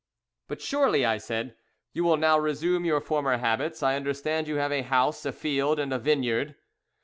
"But surely," I said, "you will now resume your former habits. I understand you have a house, a field, and a vineyard."